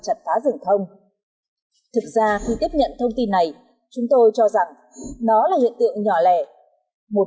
chặt phá rừng thông thực ra khi tiếp nhận thông tin này chúng tôi cho rằng đó là hiện tượng nhỏ lẻ một